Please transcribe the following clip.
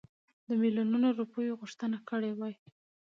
د میلیونونو روپیو غوښتنه کړې وای.